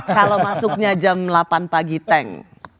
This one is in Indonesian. kalau masuknya jam delapan pagi tank